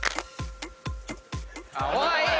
おい！